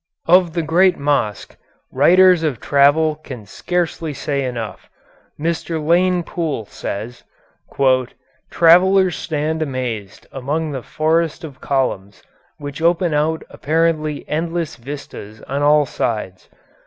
Of the great mosque writers of travel can scarcely say enough. Mr. Lane Poole says: "Travellers stand amazed among the forest of columns which open out apparently endless vistas on all sides.